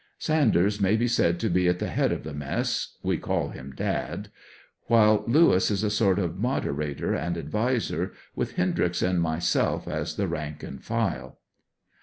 Sanders may be said to be at the head of the mess, (we call him Dad,) while Lewis is a sort of moderator and advisor, with Hen dryx and myself as the rank and file.